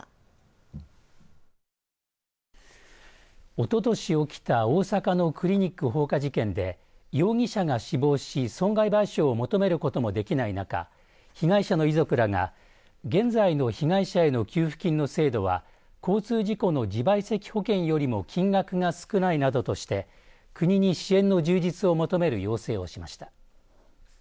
おととし起きた大阪のクリニック放火事件で容疑者が死亡し、損害賠償を求めることもできない中被害者の遺族らが現在の被害者への給付金の制度は交通事故の自賠責保険よりも金額が少ないなどとして国に支援の充実を求める要請をしました。